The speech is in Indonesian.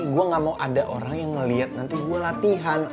gua ga mau ada orang yang ngeliat nanti gua latihan